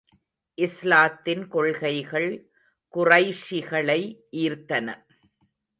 இஸ்லாத்தின் கொள்கைகள் குறைஷிகளை ஈர்த்தன.